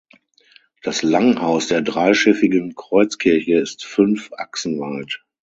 Das Langhaus der dreischiffigen Kreuzkirche ist fünf Achsen weit.